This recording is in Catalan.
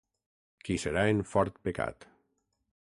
Qui serà en fort pecat.